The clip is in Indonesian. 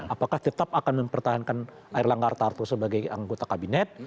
apakah tetap akan mempertahankan erlang gartarto sebagai anggota kabinet